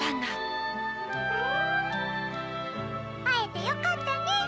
あえてよかったね。